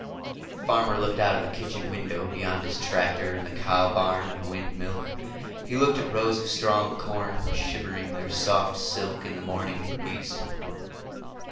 The farmer looked out of the kitchen window, beyond his tractor and the cow barn and the windmill. He looked at rows of strong corn, shivering their soft silk in the morning breeze.